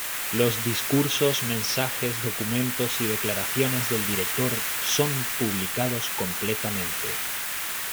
Los discursos, mensajes, documentos y declaraciones del Director son publicados completamente.